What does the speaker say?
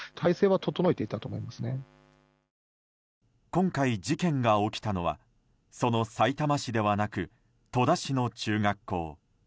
今回事件が起きたのはそのさいたま市ではなく戸田市の中学校。